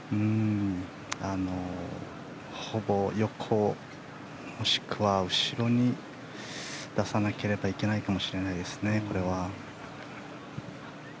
ほぼ横、もしくは後ろに出さなければいけないかもしれないです。